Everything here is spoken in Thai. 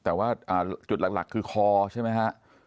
แต่ว่าจุดหลักคือคอใช่ไหมฮะ